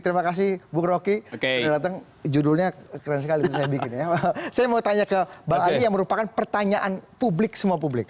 terima kasih bukroki oke judulnya saya mau tanya ke bahaya merupakan pertanyaan publik semua publik